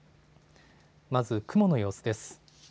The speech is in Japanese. まず雲の様子です。